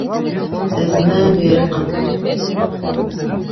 Ez nabiriqim.